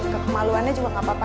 kekemaluannya juga gak apa apa